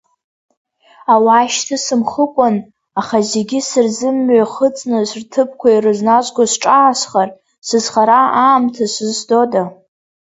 Ауаа шьҭысымхыкәан, аха зегьы сырзымҩахыҵны рҭыԥқәа ирызназго сҿаасхар, сызхара аамҭа сызҭода.